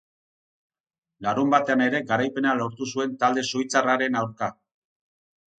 Larunbatean ere garaipena lortu zuen talde suitzarraren aurka.